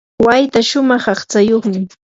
wayta shumaq aqtsayuqmi.